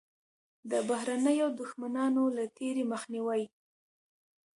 د بهرنیو دښمنانو له تېري مخنیوی.